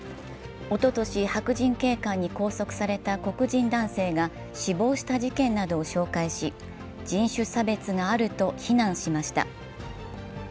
おととし白人警官に拘束された黒人男性が死亡した事件などを紹介し、人種差別があると非難しました。